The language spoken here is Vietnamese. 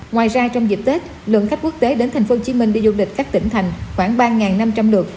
ngoài ra trong dịp tết lượng khách quốc tế đến tp hcm đi du lịch các tỉnh thành khoảng ba năm trăm linh lượt